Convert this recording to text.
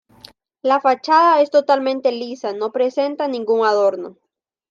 La fachada es totalmente lisa; no presenta ningún adorno.